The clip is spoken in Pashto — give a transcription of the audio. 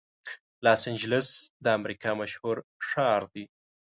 لاس انجلس د امریکا مشهور ښار دی.